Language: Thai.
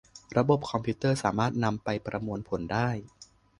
ระบบคอมพิวเตอร์สามารถนำไปประมวลผลได้